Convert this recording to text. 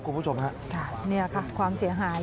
คุณผู้ชมค่ะเนี่ยค่ะความเสียหาย